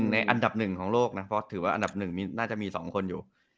๑ในอันดับ๑ของโลกนะเพราะถือว่าอันดับ๑น่าจะมี๒คนอยู่